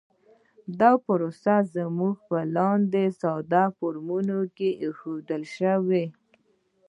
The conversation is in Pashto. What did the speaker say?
دا پروسه موږ په لاندې ساده فورمول کې ښودلی شو